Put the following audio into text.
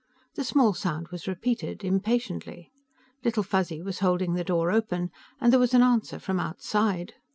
The small sound was repeated, impatiently. Little Fuzzy was holding the door open, and there was an answer from outside.